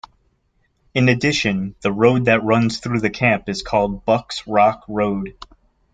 In addition, the road that runs through the camp is called Buck's Rock Road.